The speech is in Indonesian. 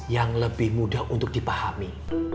yang lebih mudah untuk dipahami